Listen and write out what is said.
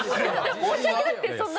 申し訳なくてそんな。